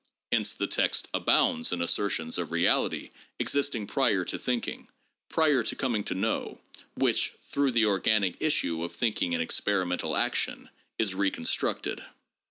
Hence the text abounds in assertions of reality existing prior to thinking, prior to coming to know, which, through the organic issue of thinking in experimental action, is reconstructed.